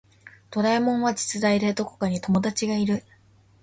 ドラえもんは実在でどこかに友達がいる